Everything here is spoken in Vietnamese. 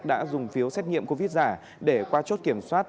đã dùng phiếu xét nghiệm covid giả để qua chốt kiểm soát